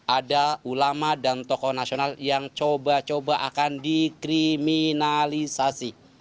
ada ulama dan tokoh nasional yang coba coba akan dikriminalisasi